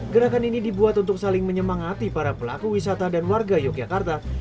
gerakan ini dibuat untuk saling menyemangati para pelaku wisata dan warga yogyakarta